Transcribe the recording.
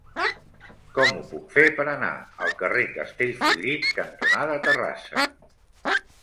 Com ho puc fer per anar al carrer Castellfollit cantonada Terrassa?